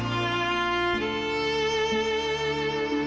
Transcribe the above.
เพราะท่านมองลงมาจะได้